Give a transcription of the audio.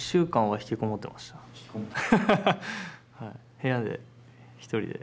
部屋で１人で。